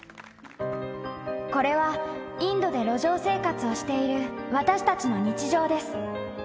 これはインドで路上生活をしている私たちの日常です・・